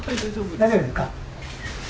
大丈夫ですか。